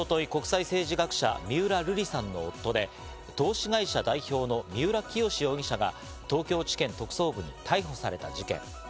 一昨日、国際政治学者・三浦瑠麗さんの夫で投資会社代表の三浦清志容疑者が東京地検特捜部に逮捕された事件。